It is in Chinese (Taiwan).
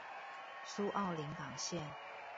蘇澳臨港線